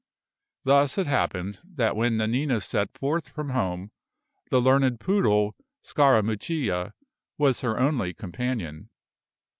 Thus it happened that when Nanina set forth from home, the learned poodle, Scarammuccia, was her only companion.